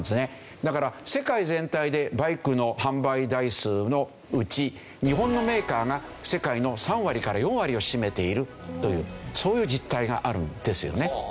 だから世界全体でバイクの販売台数のうち日本のメーカーが世界の３割から４割を占めているというそういう実態があるんですよね。